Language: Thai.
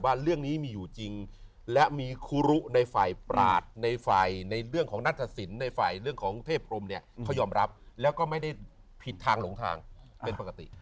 ว่าเรื่องนี้มีอยู่จริงและมีครูรุในฝ่ายปราศในฝ่ายในเรื่องของนัทธศิลป์ในฝ่ายเรื่องของเทพพรมเนี่ยเขายอมรับแล้วก็ไม่ได้ผิดทางหลงทางเป็นปกติ